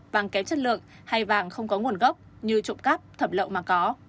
vàng kém chất lượng hay vàng không có nguồn gốc như trộm cắp thẩm lậu mà có